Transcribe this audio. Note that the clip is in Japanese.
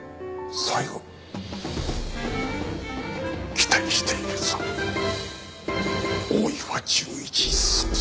期待しているぞ大岩純一捜査一課長。